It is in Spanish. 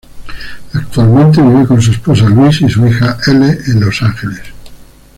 Actualmente vive con su esposa, Louise, y su hija, Elle, en Los Ángeles.